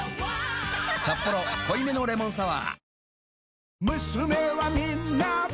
「サッポロ濃いめのレモンサワー」